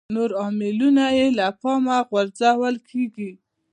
نور عاملونه یې له پامه غورځول کېږي.